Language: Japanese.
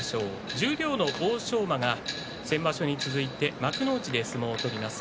十両の欧勝馬が先場所に続いて幕内で相撲を取ります。